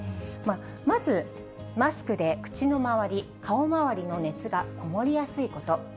まずマスクで口の周り、顔周りの熱が籠もりやすいこと。